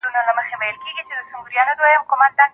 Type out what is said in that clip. دا مجلس د ښځو حقونو ته لومړيتوب ورکوي.